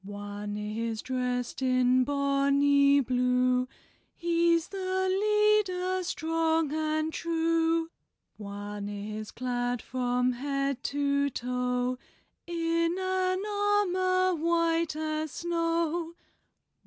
One is dressed in bonny blue; He's the leader, strong and true. One is clad from head to toe In an armor white as snow.